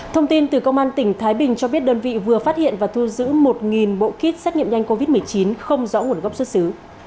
thông tin từ công an tỉnh thái bình cho biết đơn vị vừa phát hiện và thu giữ một bộ kit xét nghiệm nhanh covid một mươi chín không rõ nguồn gốc xuất xứ